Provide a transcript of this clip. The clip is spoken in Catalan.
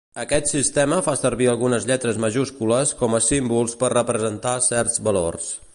Aquest sistema fa servir algunes lletres majúscules com a símbols per representar certs valors.